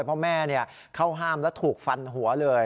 เพราะแม่เข้าห้ามแล้วถูกฟันหัวเลย